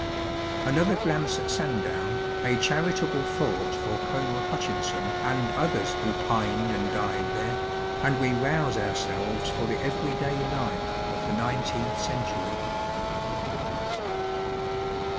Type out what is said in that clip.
Another glance at Sandown, a charitable thought for Colonel Hutchinson and others who pined and died there, and we rouse ourselves for the everyday life of the nineteenth century.